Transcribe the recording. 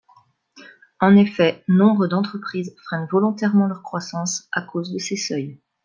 En effet, nombre d’entreprises freinent volontairement leur croissance à cause de ces seuils.